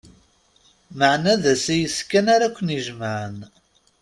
Maɛna d asayes kan ara ken-ijemɛen.